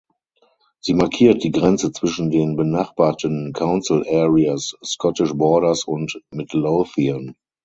Sie markiert die Grenze zwischen den benachbarten Council Areas Scottish Borders und Midlothian.